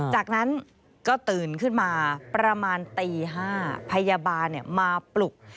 จากนั้นก็ตื่นขึ้นมาประมาณตี๕พยาบาลมาปลุก